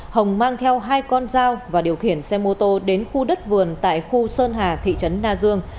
hồng mang theo hai con dao và điều khiển xe mô tô đến khu đất vườn tại khu sơn hà thị trấn na dương